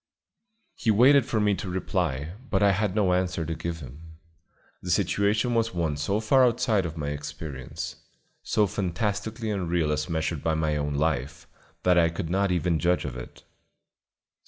He waited for me to reply, but I had no answer to give him. The situation was one so far outside of my experience, so fantastically unreal as measured by my own life, that I could not even judge of it.